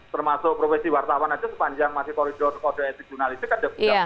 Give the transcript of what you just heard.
termasuk profesi wartawan itu sepanjang masih koridor kode etik jurnalistik kan sudah tidak bisa dituntut